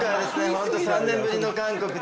ホント３年ぶりの韓国で。